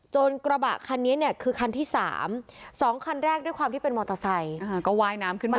กระบะคันนี้เนี่ยคือคันที่๓๒คันแรกด้วยความที่เป็นมอเตอร์ไซค์ก็ว่ายน้ำขึ้นมา